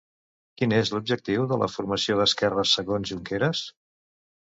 Quin és l'objectiu de la formació d'esquerres, segons Junqueras?